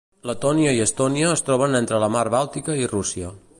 Letònia i Estònia es troben entre la Mar Bàltica i Rússia.